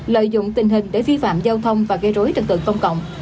lợi dụng tình hình để vi phạm giao thông và gây rối trật tự công cộng